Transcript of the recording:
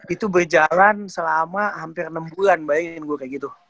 itu berjalan selama hampir enam bulan bayangin gue kayak gitu